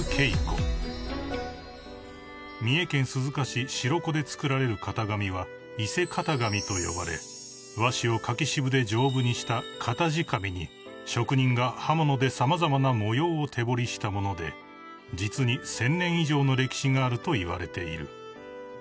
［三重県鈴鹿市白子で作られる型紙は伊勢型紙と呼ばれ和紙を柿渋で丈夫にした型地紙に職人が刃物で様々な模様を手彫りした物で実に１，０００年以上の歴史があるといわれている］